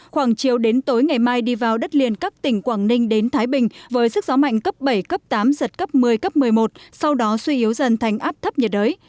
khoảng chiều đến tối ngày mai đi vào đất liền các tỉnh quảng ninh đến thái bình với sức gió mạnh cấp bảy cấp tám giật cấp một mươi cấp một mươi một sau đó suy yếu dần thành áp thấp nhiệt đới